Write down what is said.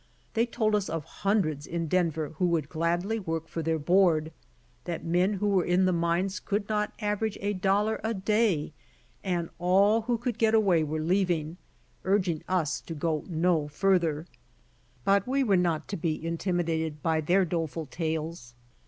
They told us of hundreds in Denver who would gladly work for their board, that men who were in the mines could not average a dollar a day, and all who could get away were leaving, urging us to go no farther. But we were not to be intimidated by their doleful tales.